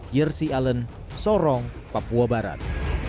jersi allen sorong papua barat